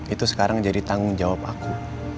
itu sekarang jadi tanggung jawab aku